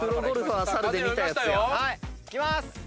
いきまーす！